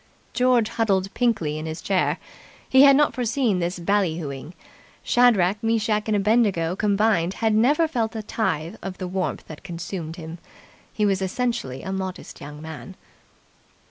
George huddled pinkly in his chair. He had not foreseen this bally hooing. Shadrach, Meschach and Abednego combined had never felt a tithe of the warmth that consumed him. He was essentially a modest young man.